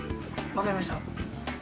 わかりました。